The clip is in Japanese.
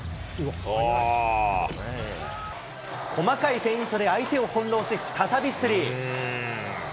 細かいフェイントで相手を翻弄し、再びスリー。